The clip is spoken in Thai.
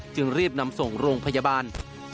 จึงรีบนำส่งโรงพยาบาล